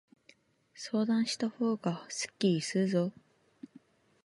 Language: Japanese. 相談したほうがすっきりするぞ。